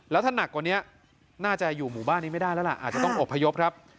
แล้วถ้าหนักกว่านี้น่าจะอยู่หมู่บ้านนี้ไม่ได้แล้วล่ะอาจจะต้องอบพยพครับ